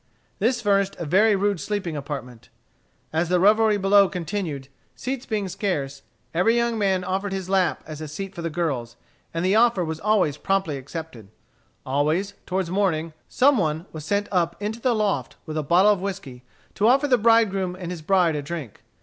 This furnished a very rude sleeping apartment. As the revelry below continued, seats being scarce, every young man offered his lap as a seat for the girls; and the offer was always promptly accepted; Always, toward morning, some one was sent up into the loft with a bottle of whiskey, to offer the bridegroom and his bride a drink.